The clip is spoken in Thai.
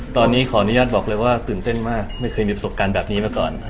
ตอนนี้ขออนุญาตบอกเลยว่าตื่นเต้นมากไม่เคยมีประสบการณ์แบบนี้มาก่อน